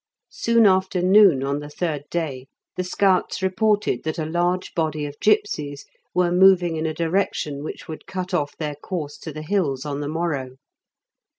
Soon after noon on the third day the scouts reported that a large body of gipsies were moving in a direction which would cut off their course to the hills on the morrow.